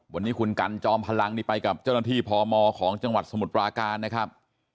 วันนี้คุณกันจอมพลังนี่ไปกับเจ้าหน้าที่พมของจังหวัดสมุทรปราการนะครับ